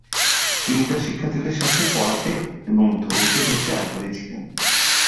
তিনি তার শিক্ষার্থীদের সাথে পড়াতে এবং ধৈর্য ধরতে আগ্রহী ছিলেন।